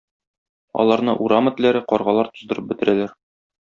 Аларны урам этләре, каргалар туздырып бетерәләр.